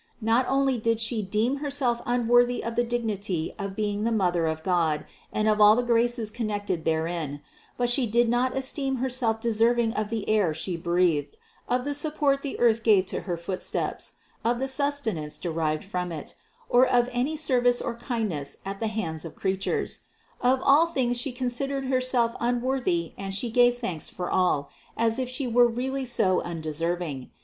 Not only did She deem Herself unworthy of 31 458 CITY OF GOD the dignity of being the Mother of God and of all the graces connected therewith, but She did not esteem Her self deserving of the air She breathed, of the support the earth gave to her footsteps, of the sustenance derived from it, or of any service or kindness at the hands of creatures ; of all things She considered Herself unworthy and She gave thanks for all, as if She were really so un deserving.